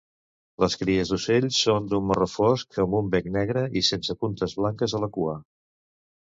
Les cries d'ocell són d'un marró fosc amb un bec negre i sense puntes blanques a la cua.